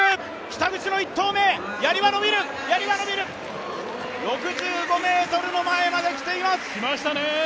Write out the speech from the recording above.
北口の１投目、やりは伸びる、６５ｍの前まで来ています。